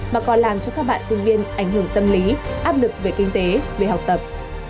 mà còn làm cho các bạn sinh viên ảnh hưởng tâm lý áp lực về kinh tế về học tập